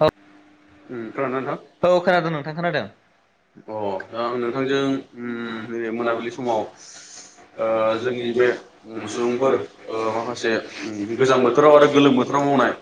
औ औ खोनादों नोंथां खोनादों। अ दा आं नोंथांजों नैबे मोनाबिलि समाव। जोंनि बे सुबुंफोर माखासे गोजां बोथोराव आरो गोलोम बोथोराव मावनाय।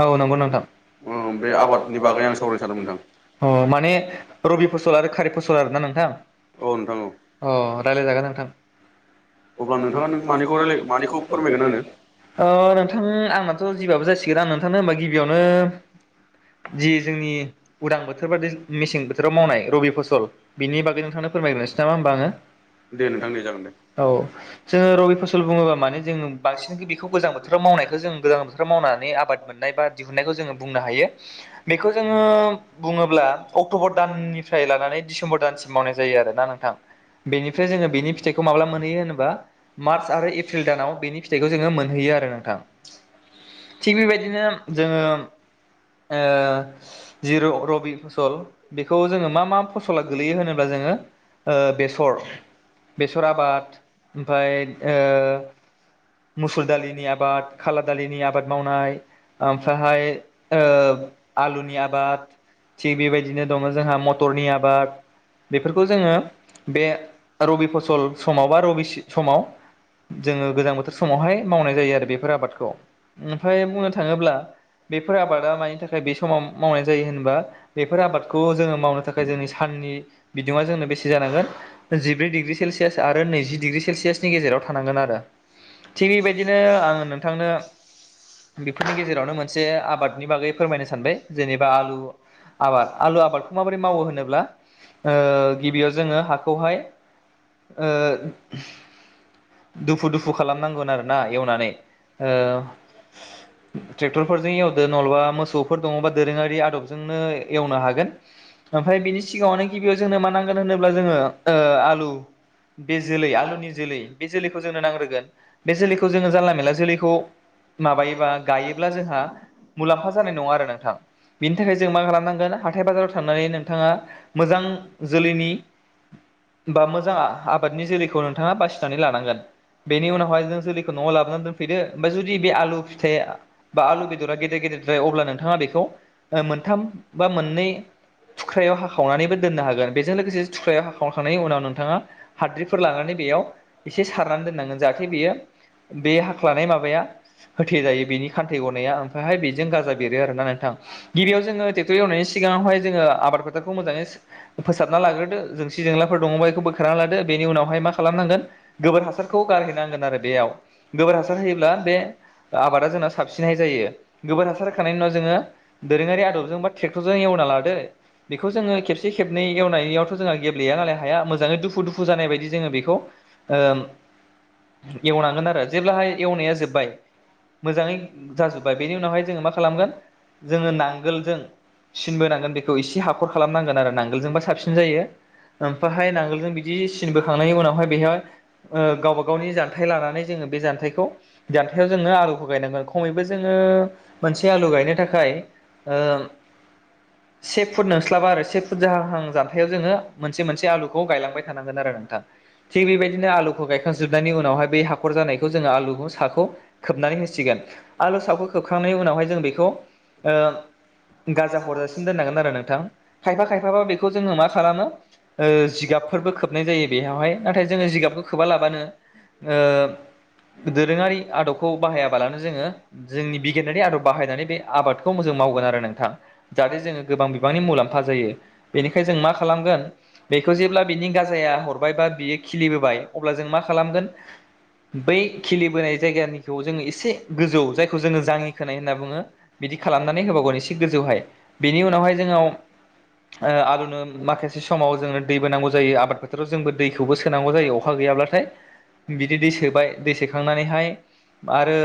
औ नंगौ नोंथां। नि बागै आं सावरायनो सानदों नोंथां अ माने रबि फसल आरो खारि फसल आरोना नोंथां अ राय्लायजागोन नोंथां। ए नोंथां आंनाथ' जिबाबो जासिगोन आं नोंथांनो होमबा गिबियावनो। जि जोंनि उदां बोथोर बि मेसें बोथोराव मावनाय रबि फसल बिनि बागै नोंथांनो। फोरमायग्रोनोसै नामा होमबा आं। दे नोंथांनि जागोन दे। औ जोङो रबि फसल बुङोबा माने जों बांसिन बेखौ गोजां बोथोराव मावनायखौ जों गोजां बोथोराव मावना नै आबाद मोननाय बा दिहुननायखौ जोङो बुंनाय बेखौ जोङो बुङोब्ला अक्ट'बर दाननिफ्राय लानानै डिसेम्बर दानसिम मावनाय जायो आरोना नोंथां। बेनिफ्राय जोङो बेनि फिथाइखौ माब्ला मोनहैयो होनोबा मार्च आरो एप्रिल दानाव बेनि फिथाइखौ जोङो मोनहैयो। आरो नोंथां थिग बेबायदिनो जोङो ओ जि रबि फसल बेखौ जोङो मा मा फसला गोगलैयो होनोब्ला जोङो ओ बेसर बेसर आबाद ओमफ्राय ओ मुसुर दालिनि आबाद, खाला दालिनि आबाद मावनाय ओमफ्रायहाय ओ आलुनि आबाद थिग बेबायदिनो दङ जोंहा मटरनि आबाद बेफोरखौ जोङो बे रबि फसल समाव बा रबि समाव जोङो गोजां बोथोर समावहाय मावनाय जायो आरो बेफोर आबादखौ ओमफ्राय बुंनो थाङोब्ला बेफोर आबादा मानि थाखाय बे। गष जिब्रै डिग्रि सेलयास आरो नैजि डग्रि सेलसियासनि गेजेराव थानांगोन आरो। थिग बेबायदिनो आङो नोंथांनो बेफोरनि गेजेरावनो मोनसे आबाद। आबादनि बागै फोरमायनो सानबाय जेनेबा आलु आबाद आलु आबादखौ माबोरै मावो होनोब्ला। गिबियाव जोङो हाखौहाय ओ। दुफु दुफु खालामनांगोन आरो ना एवनानै। टेक्टर फोरजोंउदनो न। नलेबा मोसौफो दङा बा दोरोङारि आदबनो‌ जों नो एवनो हागोन ओमफ्राय बिनि सिगांङावनो गियाव जोंनो मा नोंगोन होनोब्ला जोंङो ओ आलु बे जोलै आलुनि जोलै‌ बे जोलैखौ जोंनो नांग्रोगोन बे जोलैखौ जोंङो जानला मेनला जोलैखौ माबायोबा गायोब्ला जोंहा मुलाम्फा जानाय नङा आरो नोंथां बिनि थाखाय जों मा खालामनांगोन हाथाय बाजाराव थांनानै नोंथाङा मोजां जोलैनि [inaudible] बा मोजांआ आबादनि जोलैखौ नोंथाङा बासिनानै लानांगोन बेनि उनावहाय जों जोलैखौ न'आव लाबना दोनफैदो ओमफ्राय जुदि बे आलु फिथाइ बा आलु बेदरा गेदेर गेदेरद्राय अब्ला नोंथांङा बेखौ ओ मोनथाम बा मोननै थुख्रायाव हाखावनानैबो दोननो हागोन बेजों लोगोसे थुख्रायाव हाखाव खा नाय उनाव नोंथांङा हाद्रिफोर लानानै बेयाव एसे सारनानै दोननांगोन जाहाथे बेयो बे हाख्लानाय माबाया होथे जायो बेनि खान्थै गनाया ओमफ्रा हाय बेजों गाजा बेरो आरो ना नोंथां गिबियाव जोंङो ट्रेक्टर एवनायनि सिगाङावहाय जोंङो आबाद फोथारखौ मोजाङै फोसाबना लाग्रोदो जों सि जेंलाफोर दंङ इखौ बोखारना लादो बेनि उनावहाय मा खालामनांगोन गोबोर हासारखौ गारहैनांगोन आरो बेयाव गोबोर हासार होयोब्ला बे आबादा जोंना साबसिनहाय जायो गोबोर हासार होखनायनि उनाव जोंङो दोरोङारि आदबजों बा ट्रेक्टरजों एवना लादो बेखौ जोंङो खेबसे खेबनै एवनायावथ जोंहा गे ब्लेया नालाय हाया मोजाङै दुफु दुफु जानाय बायदि जोंङो बेखौ ओ एवनांगोन आरो जेब्लाहाय एवनाया जोब्बाय मोजाङै जाजुबबाय बेनि उनावहाय जोंङो मा खालामगोन जोंङो नांगोलजों सिनबोनांगोन बेखौ एसे हाखर खालामनांगोन आरो नांगोलजोंबा साबसिन जायो ओमफाहाय नांगोलजों बिदि सिनबोखांनायनि उनावहाय बेहाय ओ गावबा गावनि जानथाय लानानै जोंङो जान्थायखौ जान्थायाव जोंङो आलुखौ गायनांगोन खमैबो जों ङो मोनसे आलु गायनो थाखाय ओ से फुट नोंस्लाबा आरो से फुट जाहां हां जान्थायाव जोंङो मोन मोनसे मोनसे आलुखौ गायलांबाय थानांगोन आरो नोंथां थिग बेबायदिनो आलुखौ गायखांजोबनायनि उनावहाय बे हाखर जानाय खौ जोंङो आलुखौ साखौ खोबनानै होसिगोन आलु साखौ खोबखांनाय उनावहाय जों बेखौ ओ गाजा हरजासिनो दोननांगोन आरो नोंथां खायफा खायफाबा बेखौ जोंङो मा खालामो ओ जिगाबफोरबो खोबनाय जायो बेयावहाय नाथाय जोंङो जिगाबखौ खोबा लाबानो ओ दोरोङारि आदबखौ बाहायाबालानो जोंङो जोंनि बिगियानआरि आदब बाहायनानै बे आबादखौ मो जों मावगोन आरो नोंथां जाहाथे जोंङो गोबां बिबांनि मुलाम फा जायो बेनिखाय जों मा खालामगोन बेखौ जेब्ला बिनि गाजाया हरबाय बा बियो खिलिबोबाय अब्ला जों मा खालामगोन बै खिलिबोनाय जायगानिखौ जोंङो एसे गोजौ जाय खौ जोंङो जाङि खोनाय होनना बुंङो बिदि खालामनानै होबावगोन एसे गोजौहाय बेनि उनावहाय जोंनाव ओ आलुनो माखासे समाव जोंनो दैबोनांगौ जायो आबाद फोथाराव जोंबो दैखौबो सोनांगौ जायो अखा गैयाब्लाथाय बिदि दै सोबाय दै सोखांनानैहाय आरो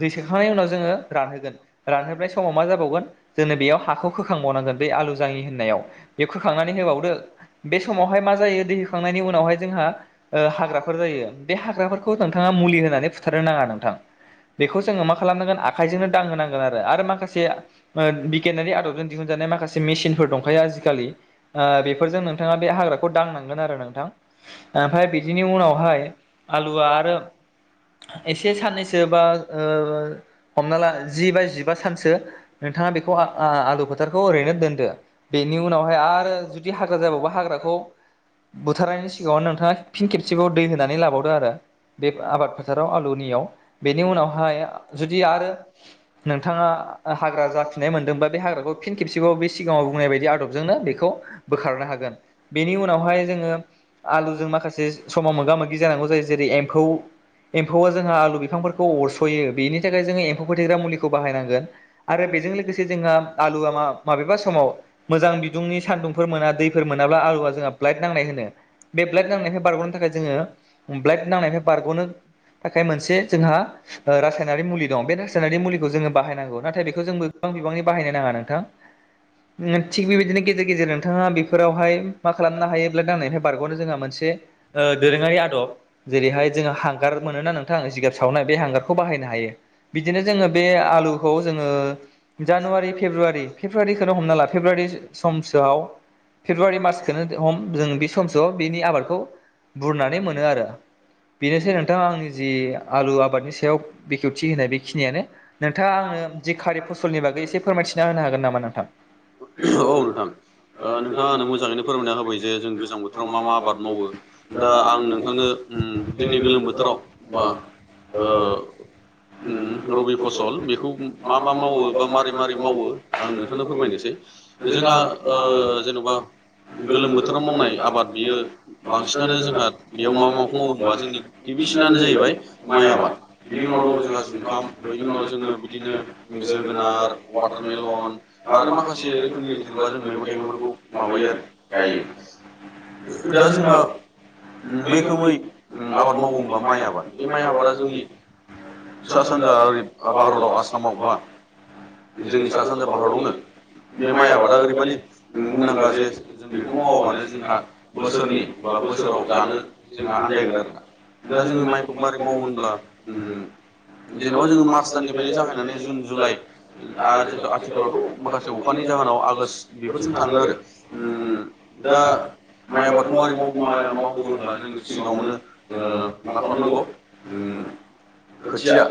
दै सोखांनायनि उनाव जोंङो रानहोगोन रानहोबनाय समाव मा जाबावगोन जोंनो बेयाव हाखौ खोखांबावनांगोन बे आ आलु जाङि होननायाव बे खोखांनानै होबावदो बे समावहाय मा जायो दै होखांनायनि उनावहाय जोंहा ओ हाग्राफोर जायो बे हाग्राफोरखौ नोंथांङा मुलि होनानै फुथारनो नाङा नोंथां [inaudible] बेखौ जोंङो मा खालामनांगोन आखायजोंनो दां होनांगोन आरो आरो माखासे ओ बिगियानारि आदबजों दिहुनजानाय माखा खासेे मेसिनफोर दंखायो आजिखालि ओ बेफोर नोंथांङा बे हाग्राखौ दांनांगोन आरो नोंथां ओमफ्राय बिदिनि उनावहाय आलुआ आरो एसे साननैसो बा ओ हमना ला जि बा जिबा सानसो नोंथाङा बेखौ आलु फोथारखौ ओरैनो दोनदो बेनि उनावहाय आरो जुदि हाग्रा जाबा हाग्राखौ बुथारनायनि सिगाङावनो नोंथाङा फिन खेबसेखौ दै होनानै लाबावदो आरो। बे आबाद फोथाराव आलुनियाव बेनि उनावहा जुदि आरो नोंथाङा हाग्रा जाफिननाय मोनदोंबा बे हाग्राखौ फिन खेबसेबाव सिगाङाव बुंनाय बायदि आदबजोंनो बेखौ ब खारनो हागोन बेनि उनावहाय जोङो आलुजों माखासे समाव मोगा मोगि जानांगौ जायो जेरै एम्फौ एम्फौआ जोंहा आलु बिफांफोरखौ अरस' फैयो बेनि थाखाय जोङो एम्फौ फोथैग्रा मुलिखौ बाहायनांगोन आरो बेजों लोगोसे जंहा आलुआ मा माबे ब'बेबा समाव मोजां बिदुंनि सानदुंफोर दैफोर मोनाब्ला आलुआा जोंहा ब्लाइट नांनाय होनो। बे ब्लेक नांनायनिफ्राय बारग'नो थाखाय जोङो ब्लेक नांनायनिफ्राय बारग'नो थाखाय मोनसे जोंहा ओ रासायनारि मुलि दं बे रासायनारि मुलिखौ जोङो बाहायनांगौ नाथाय बेखौ जों गोबां बिबांनि बाहायनो नाङा नोंथां। थिग बेबायदिनो गेजेर गेजेर नोंथां बेफोरावहाय मा खालामनो हायोब्ला दांनाय बारग'नो जोंहा मोनसे दोरोङारि आदब जेरैहाय जोंओ हांगार मोनोना नोंथां आ जिगाब सावनाय बे हांगारखौ बाय बिदिनो जोङो बे आलुखौ जोङो जानुवारि फेुब्रुवारि फेब्रुवारिखो हमना ला फेब्रुवारि समसोआव फेब्रुवारि मारसखौनो हम जों बे समसो बेनि आबादखौ बुरनानै मोनो आरो बेनोसै नोंथाङा आंनि जि आलु आबादनि याव बेखेवथि होनाय बेखिनियानो नोंथाङा आंनो जि खारिब फसलनि बागै एसे फोरमायथिना होनो हागोन नामा नोंथां औ नोंथा नोंथाङा आंनो मोजाङैनो फोरमायना होबाय जे जों गोजां बोथोराव मा मा आबाद मावो दा आं नोंथांनो। जोंनि गोलोम बोथोराव बा औ उम रबि फसल बेखौ मा मा मावो बा मारै मारै मावो आं नोंथांनो फोरमायनोसै। जोंहा जेन'बा गोलोम बोथोराव मावनाय आबाद बियो बांसिनानो जोंहा बेयाव माबा माबाखौ मावो होनबा जोंनि गिबि बिसनानो जाहैबाय माइ आबाद। बिनि उनाव दं जोंहा जुखाम बेनि उनाव जोङो बिदिनो जोगोनार' वाटारमेलन आरो माखासे रोखोमनि जेन'बा जों मैगं थाइगंफोरखौ माबायो आरो गायो। दा जोंहा मैखोमै आबाद मावोबा माइ आबाद बे माइ आबादा जोंनि सा सानजा ओरै भारताव आसामाव बा जोंनि सा सानजा भारतावनो बे माइ आबादा ओरैबायाददि मुंदांखा जे जों बेखौ मावाबानो जोंहा बोसोरनि बा बोसोराव जानो जोंहा जाहैगोन आरोना दा जोङो माइखौ माबारै माव होनब्ला जेनेबा जोङो मार्च दाननिफ्रायनो जागायनानै जुन जुलाइ आथिखालावथ' माखासे अखानि ज जाहोनाव आगषट बेफोरसिम थाङो आरो दा माइ आबादखौ माबोरै माव मावो होनबा जोङो सिगाङावनो मा खालामनांगौ खोथिया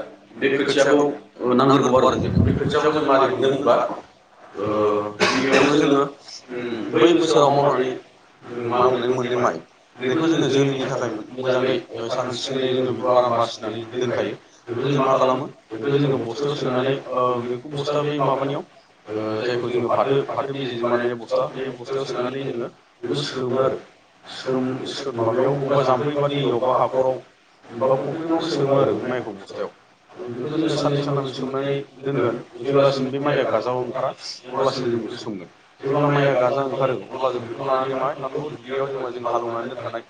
बे खोथियाखौ नांग्रगौ आरो जोंनो बे खोथियाखौ जों मारहैमोनहैगोन होनबा गिबियावनो जोङो बै बोसोराव मावनानै मावनाय मोननाय माइ बेखौ जोङो जोलैनि थाखाय मोजाङै साखोन सिखोनै जोङो बेखौ आराम बासि दोनखायो बेखौ जों मा खालामो बेखौ जोङो बस्थायाव सोनानै बे बस्था बे माबानि जायखौ जोङो फाथो फाथो। बिजेजों बानायनाय बस्था बे बस्थायाव सोनानै जोङो बेखौ सोमो आरो सोम माबायाव बबेबा जाम्फैबा दैयावबा हाखराव। [unintelligible] ब यावनो सोमो आरो बे माइखौ बस्थायाव बेखौ जोङो साननै सानथामसो सोंनानै दोनगोन जेब्लासिम बे माइया गाजाआव अंखारा अब्लासिम जों बेखौ सोम जेब्ला माइया गाजा ओंखारो अब्ला जों बेखौ लानानै माहाय थांनांगौ दुब्लियाव जेनेबा जोङो हालेवनानै दोनखानाय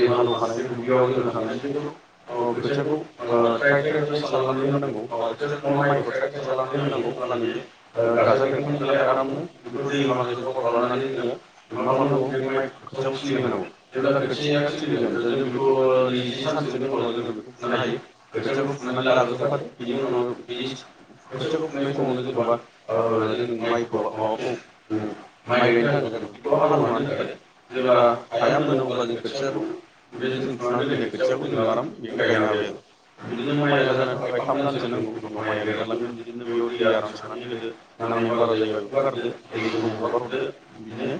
जों हालौखानाय बे दुब्लियाव जोङो थांनानै ओ खोथियाखौ ओ थ्राय थ्राय थ्राय सारलानानै‌ होनांगौ अ खोथियाथ' नङा मायखौ थ्राय थ्राय सारला लानानै होनांगौ अब्लाबो बे गाजा बेरखांनायनि उनाव नालाय आरामनो बेखौ दै माखासे जगार खालामनानै जोङो मा खालामनांगौ बे माइ खोथियाखौ खिलि होनांगौ जेब्ला खोथिया खिलिगोन ओ जों बेखौ नै बैजि सानसोनि उनाव जोङो बेखौ फुनो हायो खोथियाखौ फुनानै लाग्रोजोबखादो बिनि उनावनो बिनि खोथियाखौ फुंनाय समावनो जेन'बा ओ जोङो माइखौ माबाखौ ओम माइ गायनो थाखाय दुब्लिखौ हालेवनानै दोनखादो जेब्ला हाया मोनो अब्ला जों खोथियाखौ बे जों फुनानै दोननाय खोथियाखौ जोंङो आराम बेयावनो गायनो हाबाय आरो बिदिनो माइया जानो थाखाय थाम दानसो नांगौ उनाव माइया देरलांगोन बिदिनो बेयाव दै आराम सोनानै होदो नांनाया बारा जायोबा बेखौ गारदो दैखौ हगार हरदो बिदिनो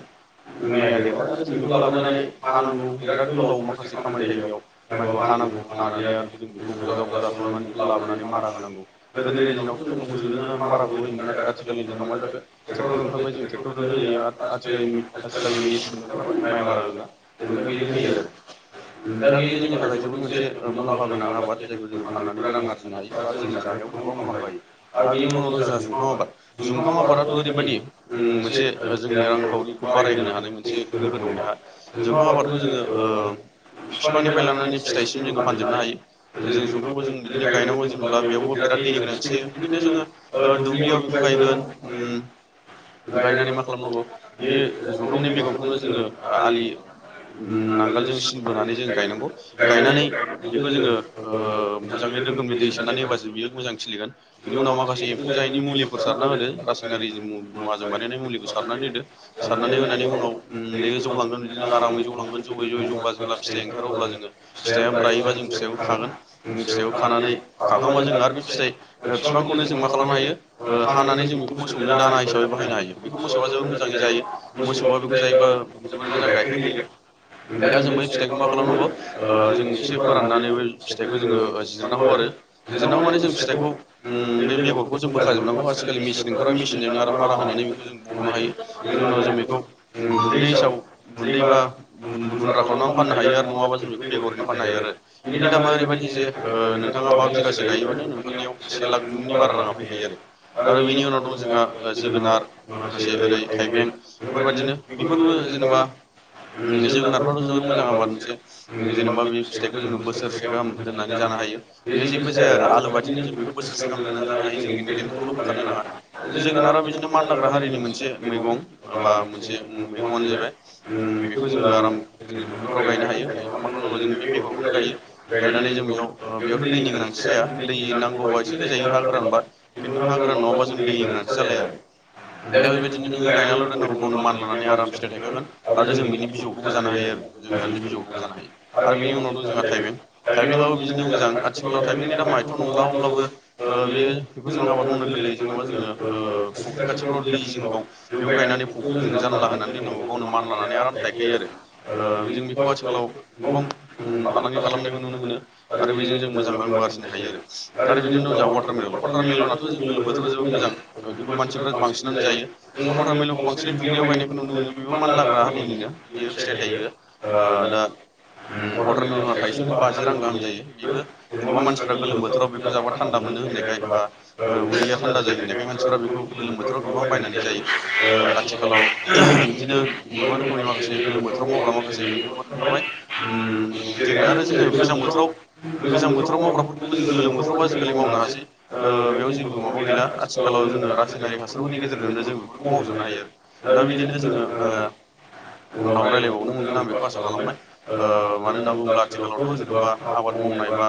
माइया देरबाय आरो जों बेखौ लाबोनानै हानांगौ बिराद गोलाव माखासे खामानि थायो बेयाव माइखौ हानांगौ हानानै आरो जों बेखौ बजा बजा खालामनानै बेखौ लाबोनानै मारा होनांगौ गोदोनि दिनावथ' जोङो मोसौ जोंनो मारा होयोमोन नाथाय आथिखालनि दिनाव मा जाखो ट्रेक्टर ओंखारबाय जों ट्रेक्टरनो होयो आरो आथिखालनि आथिखालनि मेसिनबो ओंखारबाय माइ मारा होग्रा जों दा बेजों होयो आरो [inaudible] जोबोर मोनसे मुलाम्फा गोनां आबाद जायखौ जोङो फाननानैबो रां आरजिनो हायो आरो जोंनि जानायावबो गोबां मुलाम्फा होायो आरो बिनि उनावनो जोंहा जुखाम आबाद जुंखाम आबादाथ' ओरैबायदि ओम मोनसे जोंनि रांखावरिखौ बारायहोनो हानाय मोनसे गोहो दं बेहा जुखाम आबादखौ जोङो ओ फिफांनिफ्राय लानानै नानै फिथाइसिम जोङो फानजोबनो हायो जों जुखामखौ जों बिदिनो गायनांगौ जेनब्ला बेयावबो बिराद दैनि गोनांथि जायो बिदिनो जोङो ओ दुब्लियाव बेखौ गायगोन ओम गायनानै मा खालामनांगौ बे जुंखामनि बेगंखौनो जोङो आलि उ नांगोलजों सिन बोनानै जों गायनांगौ गायनानै बेखौ जोङो ओ मोजाङै रोखोमनि दै सोनानै होबासो बियो मोजां खिलिगोन बिनि उनाव मासे एम्फौ जायिनि मुलि सारना होदो रासायनारि जे मुवाजों बानायनाय मुलिखौ सारनानै होदो सारनानै होनायनि उनाव ओम बे जौलांगोन बिदिनो आरामै जौलांगोन जौैयै जौयै जौब्ला जेब्ला फिथाइ ओंखारो अब्ला जोङो फिथाइया रायोबा जों फिथाइखौ खागोन फिथाइखौ खानानै खाखांबा जों आरो बे फिथाइ बिफांखौनो बेखौ जों मा खालामनो हायो ओ हानानै जों बेखौ जोबोर मोजां गाइखेर होयो दा जों बै फिथाइखौ मा खालामनांगौ ओ जों एसे फोराननानैबो फिथाइखौ जोङो जिरनांगौ आरो जिरनांगौ माने जों फिथाइखौ उम बे बेगरखौ जों बो होखाजोबनांगौ आजिखालि मेसिन ओंखारबाय मेसिनजोंनो आराम मारा होनानै बेखौ जों बख'नो हायो बिनि उनाव जों बेखौ ओम गुन्दै हिसाव गुन्दै बा गुन्द्रा खालामनानै फाननो हायो आरो नङाब्ला जों बेखौ बेगरैनो फनो हायो आरो बिनि दामा ओरैबायदि जे ओ नोंथाङा बा बिघासे गायोबानो नोंथांनियाव से लाखनि बारा राङा फैखायो आरो आरो बेनि उनाव दं जोंहा जोगोनार माखासे ओरै थाइबें बेफोर बायदिनो बेफोरबो। जेन'बा ओम जोगोनार फ्राथ' जोबोर मोजां आबाद मोनसे। जेन'बा बे फिथाइखौ जोङो बोसोरसे गाहाम दोन्नानै जानो हायो बे जेबो जाया आरो आलु बादिनो जों बेखौ बो। बोसोरसे गाम दोननानै जानो हायो बेनिखायनो। कुनु बोखारनो नाङा जोगोनारा बिदिनो मानलाग्रा हारिनि मोनसे मैगं बा मोनसे ओम मैगं। जाहैबाय ओम बेखौ जोङो आराम जोंनि दुब्लिफ्राव गायनो हायो। गायबा मा खालामनांगौ? जों बे बेगरखौनो गायो गायनानै जों बेयाव ओ बेयावथ' दैनि गोनांथि जाया दै नांगौ। गौबा एसे होजायो हा गोरानबा किन्तु हा गोरान नङाबा जोंनि दैनि गोनांथि जालाया आरो। दा बेबायदिनो नोङो गायनाल' दोन्नांगौ गावनो मान लानानै आराम फिथाइ थायखागोन आरो जों बिनि बिजौखौबो जानो हायो आरो। जोगोनारनि बिजौ। जानो हायो आरो बेनि उनाव दं जोंहा थाइबें-थाइबेंआबो बिदिनो मोजां आथिखालाव थाइबेंनि दामा एथ' नंला अब्लाबो। बो ओ बेयो। बेखौ जों आबाद मावनो गोरलै जेन'बा जोङो ओ फख्रि खाथिफ्राव दै जिंगाव बेयाव गायनानै फख्रियाव जोङो जान। मानला होनानै दोननांगौ गावनो मानलानानै आराम थायखायो आरो ओ जों बेखौ आथिखालाव। गोबां ओम फालांगि खालामनायबो नुनो मोनो आरो बेजों जों मोजां रांबो आरजिनो हायो आरो आरो बिदिनो दं। जा वाटारमिलन। वाटारमेलनाथ' जों गोलोम बोथोराव जोबोर मोजां बेखौ मानसिफ्रा बांसिनानो जायो जों वाटारमेलनखौ बांसिनै दुब्लियाव। गायनायखौ नुनो मोनो बेबो मानलाग्रा हारिनिनो बियो फिथाइ थायो ओ दा। ओम वाटारमेलना थाइसेआवनो बाजि रां गाहाम जायो बेबो [unintelligible] मानसिफ्रा गोलोम बोथोराव बेखौ जाबा थान्दा मोनो होननायखाय। बा उदैया थान्दा जायो होननायखाय मानसिफ्रा बेखौ गोलोम बोथोराव गोबां बायनानै जायो ओ आथिखालाव। बिदिनो गोबां रोखोमनि माखासे गोलोम बोथोराव मावग्रा माखासे मैगंफोर ओंखारबाय। ओम जेरै-आरो जोङो गोजां बोथोराव गोजां बोथोराव मावग्राफोरखौबो जों गोलोम बोथोराव आजिखालि मावनो हासै। ओ बेयाव जेबो माबा गैला आथिखालाव जोङो रासायनारिक हासारफोरनि गेजेरजोंनो जों बेफोरखौ मावजोबनो हायो आरो। दा बिदिनो जोङो ओ उनाव रायज्लायबावनो मोनगोन आं बेखौ आसा खालामबाय। ओ मानो होनना बुङोब्ला आथिखालावथ' जेन'बा आबाद मावनाय बा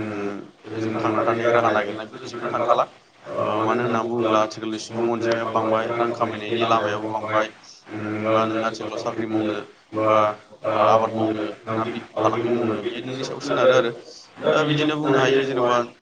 ओम जों थांना थानाय। नि राहा नागिरनाय। जोबनो थांखाला ओ मानो होनना बुङोब्ला आथिखालनि सुबुं अनजिमाया बांबाय रां खामायनायनि लामायाबो बांबा। फंबाइ ओम मा नों आथिखालाव साख्रि मावनो बा आबाद मावनो। ओम ना बि फालांगि मावनो बे नोंनि सायाव सोनारो आरो दा बिदिनो बुंनो हायो जेन'बा।